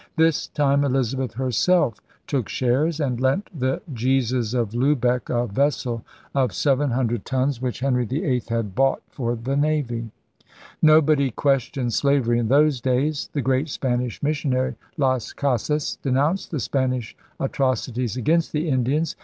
This time Elizabeth herself took shares and lent the Jesus of LuhecJc, a vessel of seven hundred tons which Henry VIII had bought for the navy. 76 ELIZABETHAN SEA DOGS Nobody questioned slavery in those days. The great Spanish missionary Las Casas denounced the Spanish atrocities against the Indians.